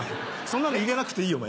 そんなの入れなくていいよ。